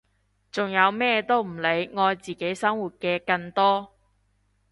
仲有咩都唔理愛自己生活嘅更多！